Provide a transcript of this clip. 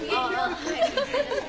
はい。